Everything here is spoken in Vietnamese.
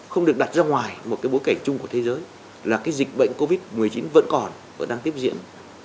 không được đặt ra ngoài một cái bối cảnh chung của thế giới là cái dịch bệnh covid một mươi chín vẫn còn vẫn đang tiếp diễn